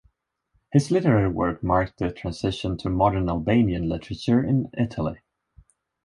His literary work marked the transition to modern Albanian literature in Italy.